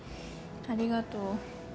ありがとう。